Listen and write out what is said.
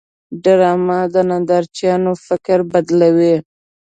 ډرامه د نندارچیانو فکر بدلوي